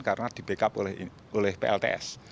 karena di backup oleh plts